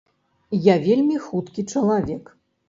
Я вельмі хуткі чалавек.